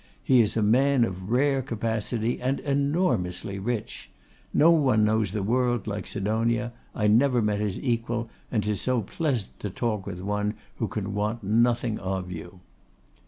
He is a man of rare capacity, and enormously rich. No one knows the world like Sidonia. I never met his equal; and 'tis so pleasant to talk with one that can want nothing of you.